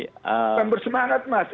bukan bersemangat mas